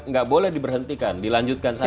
nggak boleh diberhentikan dilanjutkan saja